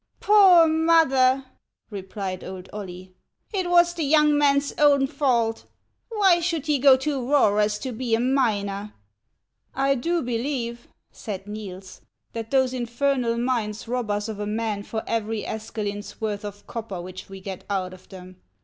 ''Poor mother!" replied old Oily, "it was the young man's own fault. Why should he go to Eoeraas to be a miner ?" "I do believe," said Niels, "that those infernal mines rob us of a man for every escalin's l worth of copper which we get out of them.